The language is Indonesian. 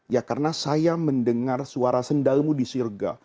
ya karena saya mendengar suara sandalmu di surga